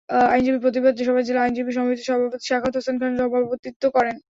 আইনজীবীদের প্রতিবাদ সভায় জেলা আইনজীবী সমিতির সভাপতি সাখাওয়াত হোসেন খান সভাপতিত্ব করেন।